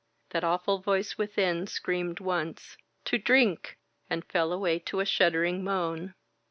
That awful voice within screamed once, "To drink !" and fell away to a shuddering moan.